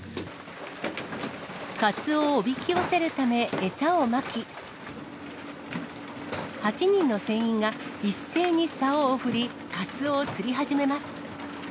カツオをおびき寄せるため、餌をまき、８人の船員が一斉にさおを振り、カツオを釣り始めます。